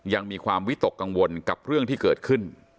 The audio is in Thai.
ยังมีความวิตกกังวลกับเรื่องที่เกิดขึ้น